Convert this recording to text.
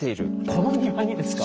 この庭にですか？